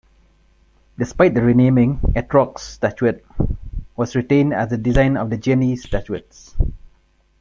Despite the renaming, Etrog's statuette was retained as the design of the Genie statuettes.